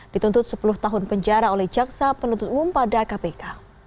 dituntut sepuluh tahun penjara oleh jaksa penuntut umum pada kpk